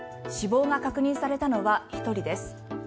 死亡が確認されたのは１人です。